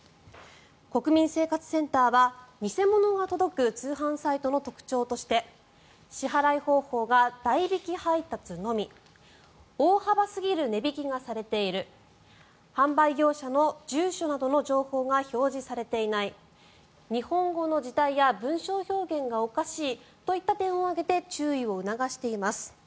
国民生活センターは偽物が届く通販サイトの特徴として支払方法が代引配達のみ大幅すぎる値引きがされている販売業者の住所などの情報が表示されていない日本語の字体や文章表現がおかしいといった点を挙げて注意を促しています。